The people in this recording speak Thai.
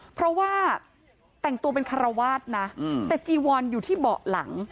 เพราะว่าแต่งตัวเป็นคารวาสนะแต่จีวอนอยู่ที่เบาะหลัง